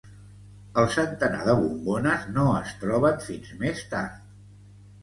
El centenar de bombones no es troben fins més tard.